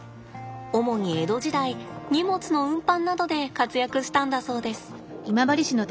主に江戸時代荷物の運搬などで活躍したんだそうです。